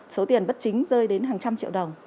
số tiền bất chính rơi đến hàng trăm triệu đồng